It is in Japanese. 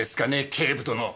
警部殿！